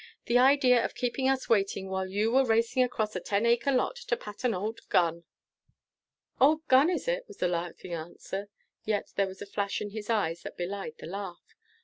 "The idea of keeping us waiting while you were racing across a ten acre lot to pat an old gun." "Old gun, is it?" was the laughing answer, yet there was a flash in his eyes that belied the laugh.